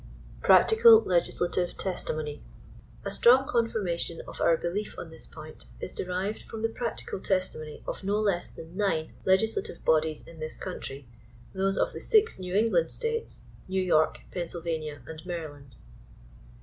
PRACTICAL LEGISLATIVE TESTIMONY. A Strong confirmation of our belief on this point is derived from the practical testimony of no less than nine legislative bodies in this country, those of the six New England state*, New York, Pennsylvania and Maryland.